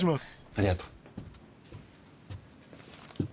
ありがとう。